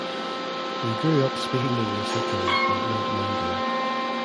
He grew up speaking English at home and not Mandarin.